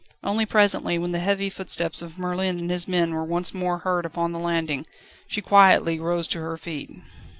Only presently, when the heavy footsteps of Merlin and his men were once more heard upon the landing, she quietly rose to her feet.